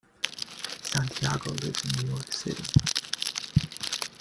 Santiago lives in New York City.